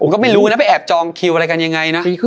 ก็ไม่รู้นะไปแอบจองคิวอะไรกันยังไงนะ